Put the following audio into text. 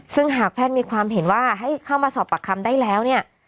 ซึ่งหากแพทย์มีความเห็นว่าให้เข้ามาสอบปากคำได้แล้วเนี่ย